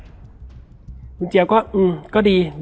แล้วสักครั้งหนึ่งเขารู้สึกอึดอัดที่หน้าอก